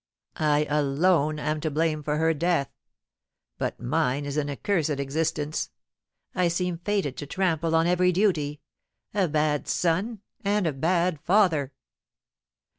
I alone am to blame for her death; but mine is an accursed existence. I seem fated to trample on every duty, a bad son and a bad father!"